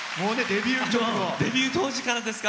デビュー当時からですか。